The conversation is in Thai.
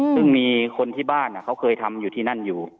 ซึ่งมีคนที่บ้านเขาเคยทำอยู่ที่นั่นอยู่